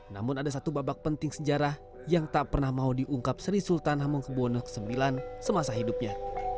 namun ada satu babak penting sejarah yang tak pernah mau diungkap sri sultan hamengkubwono ix semasa hidupnya